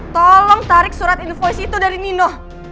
tolong tarik surat invoice itu dari nino